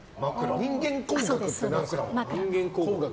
人間工学って何ですか。